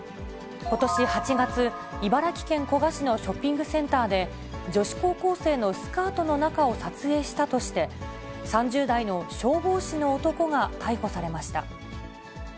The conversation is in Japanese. ことし８月、茨城県古河市のショッピングセンターで、女子高校生のスカートの中を撮影したとして、３０代の消防士の男が逮捕されました。